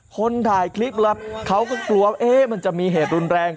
คนถ่ายคลิปแล้วเขาก็กลัวว่ามันจะมีเหตุรุนแรง